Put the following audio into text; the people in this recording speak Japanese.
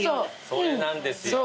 それなんですよ。